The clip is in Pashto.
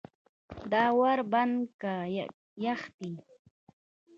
دا ور بند که یخ دی.